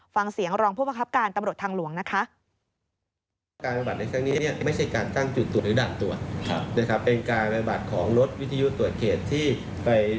ฟังเสียงรองผู้ประคับการตำรวจทางหลวงนะคะ